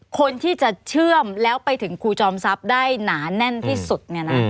คนที่จะเชื่อมแล้วไปถึงครูจอมทรัพย์ได้หนาแน่นที่สุดเนี่ยนะ